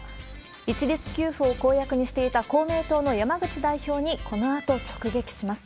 一律給付を公約にしていた公明党の山口代表にこのあと直撃します。